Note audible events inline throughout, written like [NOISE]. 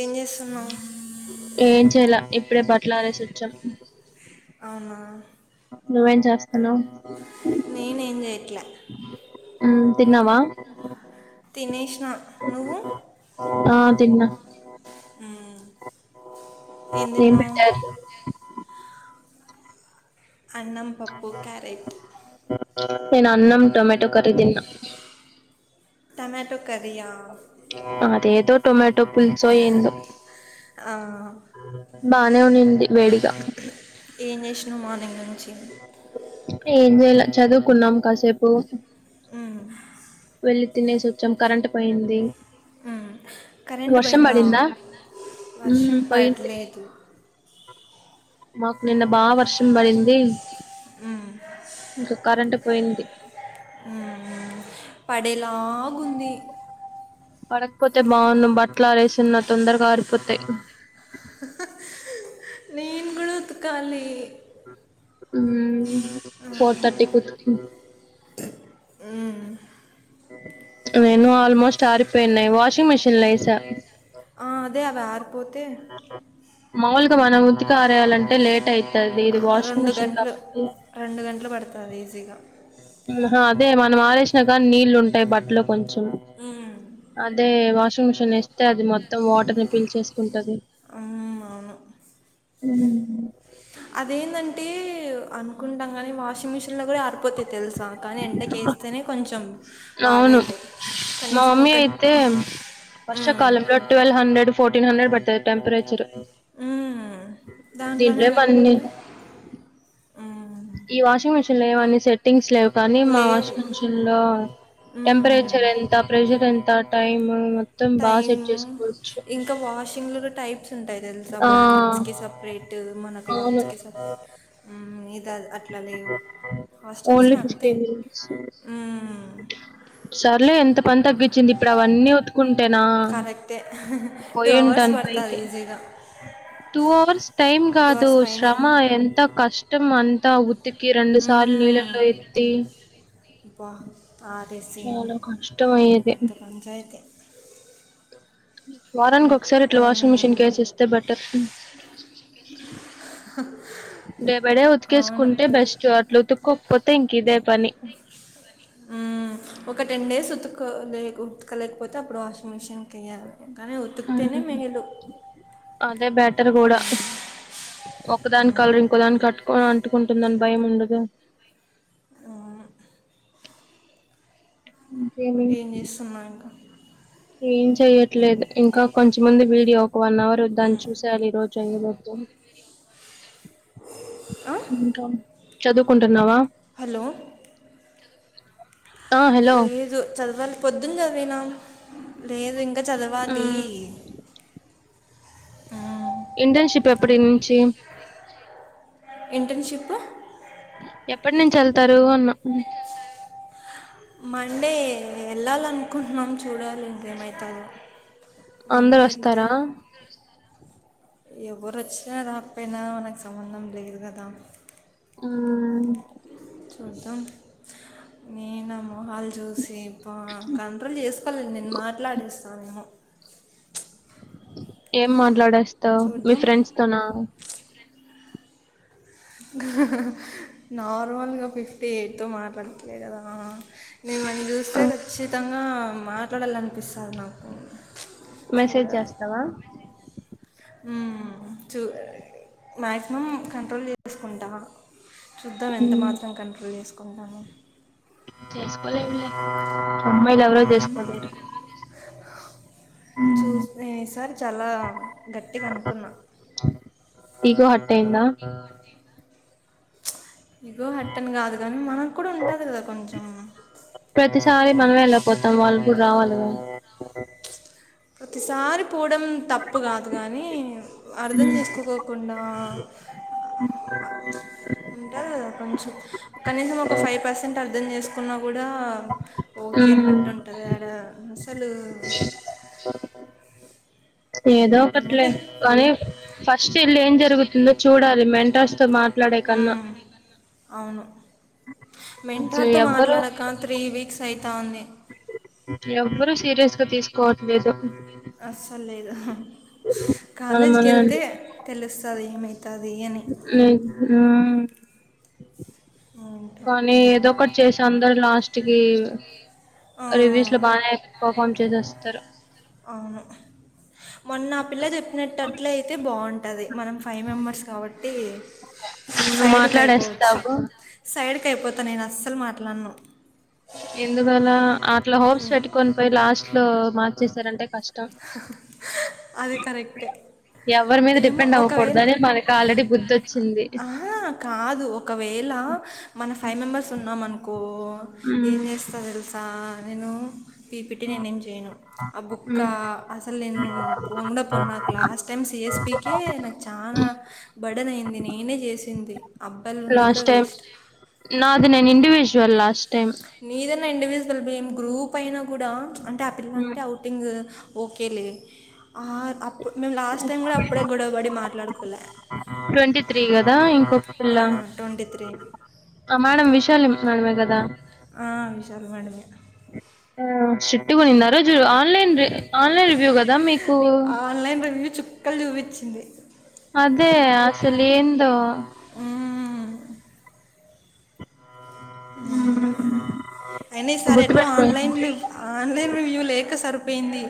ఏం చేస్తున్నావు ఏం చెయ్యలా ఇప్పుడే బట్టలు ఆరేసొచ్చా అవునా నువ్వేం చేస్తన్నావ్ నేనేం చేయట్లా అన్నం తిన్నావా తినేసినా, నువ్వు? ఆ తిన్నా ఉమ్ ఏం పెట్టారు? అన్నం పప్పు క్యారెట్ నేను అన్నం టమేటో కర్రీ తిన్నా టమాటో కర్రీయా అదేదో టొమాటో పులుసో ఏందో ఆ బానే ఉండింది ఏం చేసినవు మార్నింగ్ నుంచి ఏం చేయలా చదువుకున్నాం కాసేపు ఉమ్, వెళ్ళి తినేసి వచ్చాం కరెంట్ పోయింది ఉమ్. కరెంటు వర్షం పోయిందా పడిందా ఉమ్ వర్షం పడింది [UNINTELLIGIBLE] మాకు నిన్న బాగా వర్షం పడింది ఇంకా కరెంట్ పోయింది ఉమ్, పడేలాగుంది పడకపోతే బాగుండు బట్టలు ఆరేసున్న తొందరగా ఆరిపోతాయి నేను కూడా ఉతకాలి ఉమ్ ఫోర్ థర్టీ కి ఉతుకు ఉమ్ నేను ఆల్మోస్ట్ ఆరిపోయినాయి వాషింగ్ మిషన్ లో వేసా ఆ, అదే అవి ఆరిపోతే మాములుగా మనం ఉతికి ఆరేయాలంటే లేట్ అయి రెండు గంటలు రెండు గంటలు పడుతది ఈజీగా హ అదే మనం ఆరేసినా గానీ నీళ్ళు ఉంటాయి బట్టల్లో కొంచెం ఉమ్ అదే వాషింగ్ మిషిన్ ఏస్తే అది మొత్తం వాటర్ ని పీల్చేసుకుంటది హ్మ్, అవును. మ్మ్ అదేందంటే అనుకుంటాం కానీ వాషింగ్ మిషన్ లో కూడా ఆరిపోతయి తెలుసా కానీ ఎండకి ఏస్తేనే కొంచెం అవును బాగయితాయి మా కనీసం ఒక [UNINTELLIGIBLE] హ్మ్. వర్షాకాలంలో ట్వెల్వ్ హండ్రెడ్ ఫోర్టీన్ హండ్రెడ్ పడుతుది టెంపరేచర్ హ్మ్. దీంట్లో దాంట్లోనే ఏమో అన్ని అరిపోతయ్ ఈ వాషింగ్ మిషిన్ లో ఏమన్ని సెట్టింగ్స్ లేవ్ కానీ మా లేవు. వాషింగ్ మిషన్ లో హ్మ్. టెంపరేచర్ ఎన్ త ప్రెజర్ ఎంత టైమ్ బాగా సెట్ టైము చేసుకోవచ్చు ఇంకా వాషింగ్ లో టైప్స్ ఉంటాయి తెలుసా ఆ బ్లాంకెట్స్ కి సపరేట్ మన అవును క్లాత్స్ కి సపరే ఇది అట్లా లేవు ఓన్లీ హాస్టల్స్లో ఫిఫ్టీ అంతే మినిట్స్ ఉమ్ సర్లే ఎంత పని తగ్గించింది ఇప్పుడు అవన్నీ వు కుంటేనా కరెక్టే టూ అవర్స్ పోయింటను పడుతుంది పైకి ఈజీగా టూ అవర్స్ టైమ్ టూ కాదు అవర్స్ పైనే శ్రమ ఎంత కష్టం అంత ఉ ఉతికి రెండు సార్లు నీళ్ళల్లో ఎత్తి అబ్బా ఆరేసి చాలా కష్టం అయ్యేది పెద్ద పంచయితే వారానికి మ్మ్. ఒకసారి ఇట్లా వాషింగ్ మిషినకి వేసిస్తే బెటర్ డే బై డే అవును ఉతికేసుకుంటే బెస్ట్ అట్లా ఉతుక్కోకపోతే ఇంక ఇదే పని ఉమ్ ఒక టెన్ డేస్ ఉతుకలే ఉతుకలేకపోతే అప్పుడు వాషింగ్ మిషిన్కి వెయాలి ఉమ్ అదే బెటర్ కూడా ఒకదాని కలరు ఇంకో దానికి అటు అంటుకుంటుందని భయం ఉండదు ఉమ్ ఇంకేం ఏం చేస్తున్నావు ఇంకా ఏం చెయట్లేదు ఇంకా కొంచం ఉంది వీడియో ఒక వన్ అవర్ దాన్ని చూసేయాలి ఈ రోజు అయిలోపు ఆ? చదువుకుంటున్నావా హలో ఆ హలో లేదు చదవాలి పొద్దున్న చదివినం లేదు ఇంకా చదవాలి మ్ ఇంటర్న్షిప్ ఎప్పటి నుంచి ఇంటర్న్షిప్ ఎప్పటి నుంచి వెళ్తారు అన్న మండే వెళ్ళాలనుకుంటున్నాం చూడాలి ఇంకేమయితదొ అందరు మండే వెళ్తే వస్తారా ఎవరు వచ్చిన రాకపోయినా మనకు సంబంధం లేదు కదా ఆ చూద్దాం నేను ఆ మొహాలు చూసి అబ్బా కంట్రోల్ చేసుకోలేను నేను మాట్లాడిస్తానేమో ఏం మాట్లాడేస్తావు మీ చూద్దాం ఫ్రెండ్స్ తోన నార్మల్గా ఫిఫ్త్ ఎయిట్తో మాట్లాడట్లేదు కదా నేను వాళ్ళని చూస్తే ఖచ్చితంగా మాట్లాడాలని పిస్తాది నాకు చూడాలి కదా ఉమ్ చూ మ్యాక్సిమం కంట్రోల్ చేసుకుంటా చూద్దాం ఎంత మాత్రం కంట్రోల్ చేసుకుంటానో చేస్కోలేంలే అమ్మాయిలు ఎవరు మ్మ్. చేస్కోలేరూ చూస్తే ఈసారి చాలా గట్టిగా అనుకున్నా ఇగో హార్ట్ అయిందా ఇగో హార్ట్ అనీ కాదు కానీ మనకు కూడా ఉంటది కదా కొంచెం ప్రతిసారి మనమే ఎలా పోతాం వాళ్ళు కూడా రావాలి కదా ఆహ ప్రతిసారి పోవడం తప్పు కాదు కానీ అర్థం చేసుకోకోకుండా అంటే కొంచం కనీసం ఒక ఫైవ్ పర్సెంట్ అర్ధం చేస్ సుకున్నా కూడా ఓకే ఉమ్ అన్నట్టు ఉంటది ఆడ అసలు ఏదో ఒకట్లే ఏమోలే కానీ ఫస్ట్ ఇల్లే ఏం జరుగుతుందో చూడాలి మెంటర్స్తో మాట్లాడే కన్నా మ్మ్. అవును అసలు మెన్ంటార్తో ఎవ్వరు మాట్లాడక త్రీ వీక్స్ అయితంది ఎవ్వరు సీరియస్ గా తీసుకోవట్లేదు అస్సలే మన కాలేజ్ మన కెళ్తే తెలుస్థాది ఏమవుతాది అని ఏంటో కానీ ఏదో ఒకట్ చేశం దారుడు లాస్ట్కి ఆ, రివ్యూస్ లో బానే యాక్ పర్ఫార్మ్ చేసేస్తారు అవును మొన్న ఆ పిల్ల చెప్పినటట్ల అయితే బాగుంటది మనం అయినా మాస్క్ కొట్టి నువ్వు సైడకి అయిపోవచ్చు మాట్లాడేస్తావు సైడ్కి అయిపోత నేను అస్సలు మాట్లాడను ఎందుకలా అట్లా హోప్స్ మ్మ్. పెట్టుకొని పోయి లాస్ట్ లో మార్చేశారంటే కష్టం అది కరెక్టే ఎవరి మీద ఏమో డిపెండ్ ఒకవేళ అవ్వకూడదని మనకి ఆల్రెడీ బుద్ధి వచ్చింది ఆ కాదు ఒకవేళ మన ఫైవ్ మెంబర్స్ ఉన్నాం అనుకో ఏం చేస్తారు తెల్స్ నేను పీపిట్టి నేనే ఏం చేయను అబుక్ ఇంకా అసలు నేను ఫోన్లా పోన్నా నాకు లాస్ట్ టైం సిఎస్పికీ నాకు చాన బడన్అయింది నేనే చేసింది అబ్బాయిలు ఉండి కూడా లాస్ట్ టైం వేస్ట్ నాది నేను ఇడివిజ్వల్ లాస్ట్టైమ్ నీదన్నా ఇండివిజ్వల్ మేం గ్రూప్ అయినా కూడా అంటే ఆ పిల్ల అంటే అఔటింగ్ ఓకేలే ఆ అప్పు మేమ్ లాస్ట్ టైం కూడా అప్పుడే గొడవ పడి మాట్లాడుకోలే ట్వంటీ త్రీ కదా ఇంకొక పిల్లా ట్వంటీ త్రీ ఆమేడం విశాలి మేడమే కదా ఆ విశాలి మేడమే ఆ స్ట్రిక్ట్గా ఉన్నారా జియా ఆన్లైన్ ఆన్లైన్ రివ్యూ కదా మీకు ఆన్లైన్ల్లో చిప్ కళ్లు చూపిచ్చింది అదే అసలు ఏందో ఊమ్ అయినా ఈ సార్ ఎట్లా గుర్తుపెట్టుకో ఆన్లైన్లు ఆన్లైన్ రివ్యూ లేక సరిపోయింది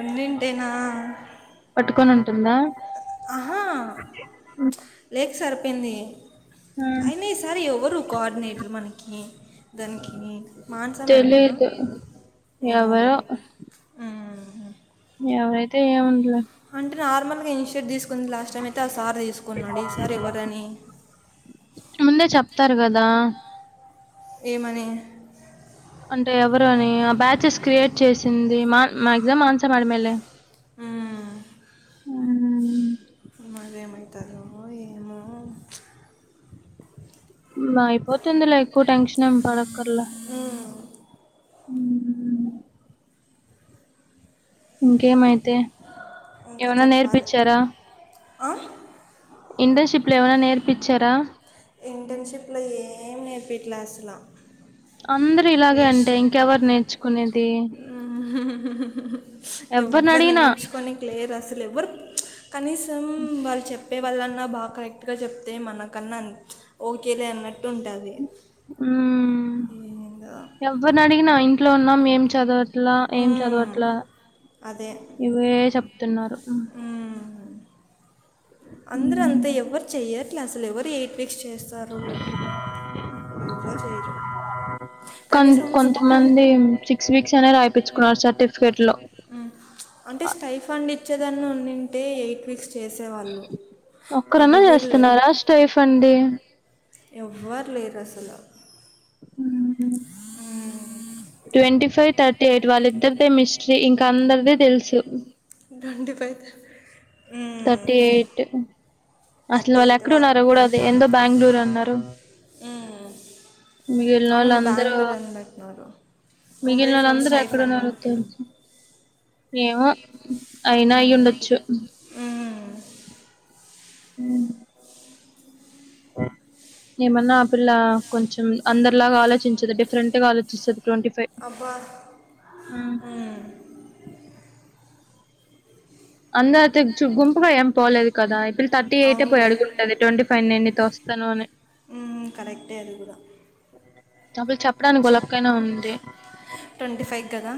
ఉండింటేనా పట్టుకొమంటుందా ఆహా లేక్ సరిపోయింది అయినా స సార్ ఎవరు కోఆర్డినేేటరు మనకి దానికి మాన్సా మేడమా తెలీదు ఏమో ఎవరో మరి ఉంహు ఎవరైతే ఏముందిలే అంటే నార్మల్గా ఇన్ షర్ట్ తీసుకుంది లాస్ట్ టైం అయితే ఆ సార్ తీసుకున్నాడు ఈ సార్ ఎవ్వరని ముందే చెప్తారు కదా ఏమని అంటే ఎవరు అని ఆ బ్యాచెస్ క్రియేట్ చేసింది మా మాగ్జామ్ ఆన్సర్ అడిగినోళ్లే హ్మ్ మ్మ్. మరేమవుతుందో ఏమో ఉం అయ్పోతుందిలే ఎక్కువ్ టెన్షన్ ఏం పడక్కర్లె ఉం ఉం ఇంకేంమైతే ఏమన్నా నేర్పిచ్చారా అ ఇంటర్న్షిప్ల్ ఏమనా నేర్పించారా ఇంటర్న్షిప్లు ఏం నేర్పిట్లే అస్సల అందరూ ఇలాగే అంటే ఇంకెవరు నేర్చుకునేది ఎవరిని ఎవ్వర్ అడిగినా నేర్చుకొనిక్ లేర్ అస్సల్ ఎవ్వరు కనీసం వాళ్ చెప్ ప్పే వాళ్ళన్నా బాగ్ కరెక్ట్గా చెప్తే మనకన్నా ఓకేలే అన్నట్టు ఉంటాది. ఉం కి ఇంగా ఎవ్వర్నడిగినా ఇంట్లో ఉన్నాం ఏం చదవట్లా ఏం మ్మ్. చదవట్లా ఇవే చెప్తున్నారు. ఉం అందరు అంతే ఎవ్వరు చేయ్యట్లే అసల్ ఎవ్వరు ఎయిట్ వీక్స్ చేస్త్ తారు ఎవ్వర్ చేయరు కానీసం మంది సిక్స్ వీక్స్ అనే రాయ్పిచ్చుకున్నారు సర్టిఫికెట్ లో అంటే స్టై ఫండ్ ఇచ్చేదాన్ని ఉండింటే ఎయిట్ వీక్స్ చేసేవాళ్ళు అదిగూడ్ లేదు స్టై ఫండి ఎవ్వర్ లేర్ అసలు ఉ ట్వంటీ ఫైవ్ థర్టీ ఎయిట్ వాళ్ళిద్దరిదే మిస్ట్రీ ఇంకా అందరిది తెల్సు దొండి ఫైవ్ త థర్టీ ఎయిట్ అసలు థర్టీ వాళ్ళు ఎయిట్ వా ఎక్కడున్నారో గూడా అది ఎందో బెంగ్ళూర్ అన్నారు. హ్మ్ మిగిల్నోల్ అందరు పెట్టినారు కొంపదీస్ మిగిల్నోల్ వాళ్ళు అందరు స్టైఫండా ఎక్కడున్నారో తెల్సు ఏమో అయినా ఉమ్, అయ్యిండొచ్చు ఉమ్, ఏమన్నా ఆ పిల్ల కొంచెం అందర్లాగా ఆలోచించదు డిఫరెంట్ గా ఆలోచిస్తది ట్వంటీ ఫైవ్ అబ్బా హ్మ్ ఉమ్, అంద తేచ్చుగుంపుగా ఏం పోలేదు కదా ఇప్పుడు తర్టీ ఎయిటే పోయి అవునులే అడుగుంటది ట్వంటీ ఫైవ్ నేన్ నీతో వస్తాను అని హ్మ్ కరెక్టే అది గూడా డపుల్ చెప్పడానికి గొలాక్కైనా ఉంది ట్వంటీ ఫైవ్ కదా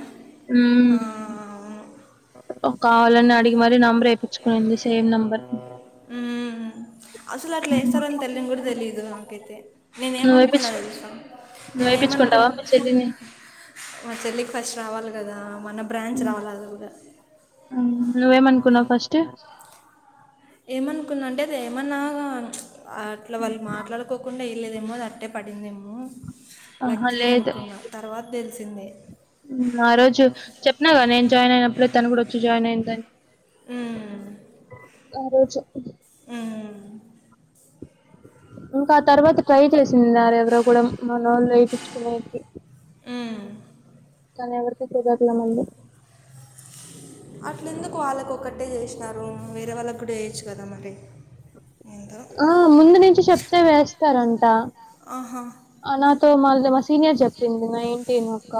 ఆ మ్మ్ కావాలని అడిగి మరి నెంబర్ ఎపిచ్చుకొయింది సేమ్ నెంబర్ అసల్ అట్లా ఎస్తార్ అని తేలియన్ గూడ తేలిదు నాకైతే నువ్వు నేనేమనుకున్నా ఏపిచ్చు తెల్సా నువ్వు నేనేమనుకున్ ఏపిచ్చుకుంటావా మీ చెల్లిని మా చెల్లికి ఫస్ట్ రావాలి గదా మన బ్రాంచ్ రావాలి గుదా నువ్వేమనుకున్నావ్ ఫస్టు ఏమనుకున్న అంటేఅది ఏమన్నా అట్లా వాళ్ళు మాట్లాడుకోకుండా లేదేమో అది అట్టే పడిందేమో ఆహా లక్కీ అనుకున్నా తర్వాత తెలిసింది మ్ ఆ రోజు చెప్పిన కదా నేను జాయిన్ అయినప్పుడే తను కూడా వచ్చి జాయిన్ అయిిందని మ్మ్. అ రోజు మ్ ఇంకా ఆ తర్వాత ట్రై చేసిందా ఎవరో కూడా మనోళ్ళు ఎపించుకునేకి మ్ కానీ ఎవరికి తుగట్లే మళ్ళీ అట్ల ఎందుకు వాళ్ళకు ఒకటే చేసినారు వేరే వాళ్ళకి కూడా చేయొచ్చు కదా మరి ఏందో ఆ ముందు నుంచి చెప్తే వేస్తారంట ఆహా నాతో మల్ల మా సీనియర్ చెప్పింది మాఇంటినొక్క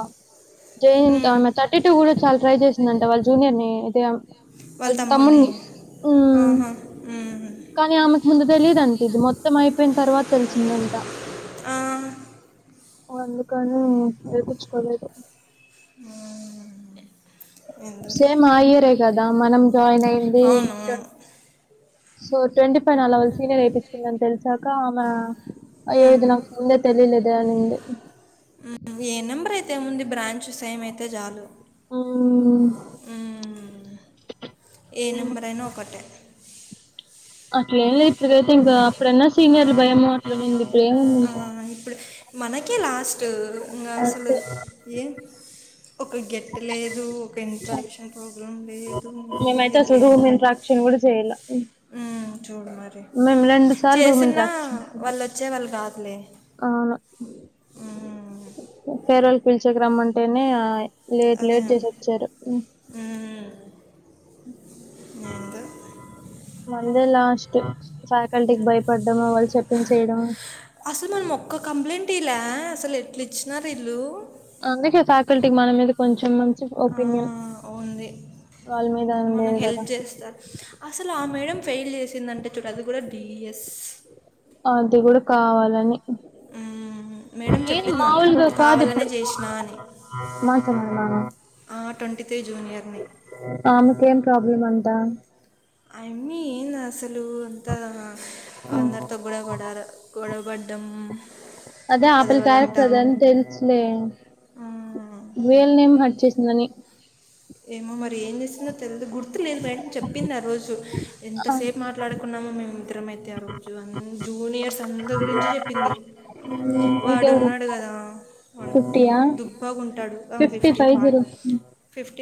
జెయింట్ ఉమ్, ఆమె థర్టీ టూ కూడా చాలా ట్రై చేసిందంట వాళ్ళ జూనియర్ ని అయితే వాళ్ళ వల్ తమ్ముడిని తమ్మున్ని మ్ ఆహా ఉమ్, కానీ ఆమెకు ముందు తెలియదుంట ఇది మొత్తం అయిపోయిన తర్వాత తెలిసిందంట ఆ అందుకని ఏపించుకోలేదు ఉమ్, ఎందులే సేమ్ ఆ ఇయరే కదా మనం జాయిన్ అయింది అవునవును ట్వ సో ట్వంటీ ఫైవ్ అల వల్ సీనియర్ ఎపిచ్చుకుంది అని తెలిసాక ఆమె అయ్యో ఉమ్, నాకు ముందే తెలిలేదే అనింది ఉమ్, ఏ నెంబర్ అయితే ఏముంది బ్రాంచ్ సేమ్ అయితే చాలు మ్ ఉమ్, ఏ నేను నెంబర్ అయినా ఒకటే అట్ల ఏంలేదు ఇప్పటికైతే ఇంకా అప్పుడన్న సీనియర్ల భయం అట్లనుంది ఆ ఇప్పుడు మనకే లాస్ట్ ఇంగ అసలు అంతే ఏ ఒక గెట్ లేదు ఒక ఇంట్రాక్షన్ ప్రాబ్లం లేదు మరి మేమైతే ఏది అసలు లేదు రూమ్ ఇంట్రాక్షన్ కూడా చేయలే మ్ చూడు మరి మేము రెండు సార్లు రూమ్ చేసిన ఇంట్రాక్షన్ వాళ్ళు వచ్చే వాళ్ళు కాదులే అవును ఉమ్, ఫేర్వెల్ కి పేల్చెకి రమ్మంటేనే లేట్ అదే లేట్ చేసొచ్చారు ఉమ్, ఏందో మనదే లాస్ట్ ఫ్యాకల్టీకిి భయపడ్డము వాళ్ళు చెప్పింది చెయడం అసలు మనం ఒక్క కంప్లైంట్ ఇయలే అసలు ఎట్ల ఇచ్చినారు ఇల్లు అందుకే ఫ్యాకల్టీకి మన మీద కొంచెం మంచి ఒపీనియన్ ఉంది వాళ్ళ మీద మనకు ఉండేది కదా హెల్ప్ చేస్త అసలు ఆ మేడం ఫెయిల్ చేసిందంటే చూడు అది కూడా డిఎస్ అది కూడా కావాలని మ్ మ్ మేడం నేను చెప్పింది నాకు మాముూలుగా కాదు కావాలనే ఇప్పుడు చేసినా అని మాట్లాడు నాన్న ఆ ట్వంటీ త్రీ జూనియర్ని ఆమేకేం ప్రాబ్లమ్ అంతా అయమ్మి ఏంది అసలు అంతా అందరితో గొడవ పడాలా గొడవపడ్డము అదే ఆపిల్ల క్యారెక్టర్ అదే అని తెలుసులే విలనేం హార్ట్ చేసిందని ఏమో మరి ఏం చేసిందో తెలీదు గుర్తు లేదు మేడం చెప్పింది ఆ రోజు ఎంతసేపు మాట్లాడుకున్నామో మేము ఇద్దరమయితే ఆ రోజు జూనియర్స్ అందరి గురించి చెప్పింది. ఇంకెవరు వాడున్నాడు కదా వాడు ఫిఫ్టీయా దుబ్బాగుంటడు ఫిఫ్టీ ఫైవ్ పా జీరో ఫిఫ్టీ